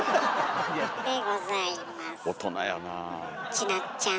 ちなっちゃん